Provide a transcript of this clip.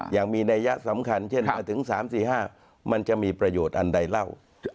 อย่างมีนัยยะสำคัญเช่นมาถึง๓๔๕มันจะมีประโยชน์อันใดเล่า